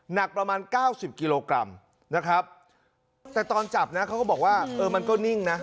หนักประมาณเก้าสิบกิโลกรัมนะครับแต่ตอนจับนะเขาก็บอกว่าเออมันก็นิ่งนะ